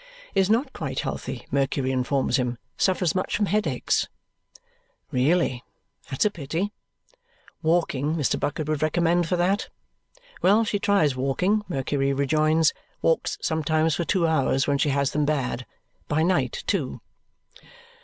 Is not quite healthy, Mercury informs him. Suffers much from headaches. Really? That's a pity! Walking, Mr. Bucket would recommend for that. Well, she tries walking, Mercury rejoins. Walks sometimes for two hours when she has them bad. By night, too.